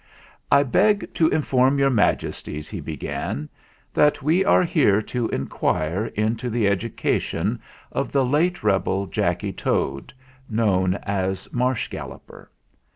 "I beg to inform Your Majesties," he be gan, "that we are here to inquire into the edu cation of the late rebel Jacky Toad, known as Marsh Galloper.